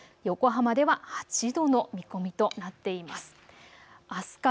横浜では８度の見込みとなっています。